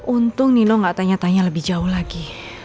untung nino nggak tanya tanya lebih jauh lagi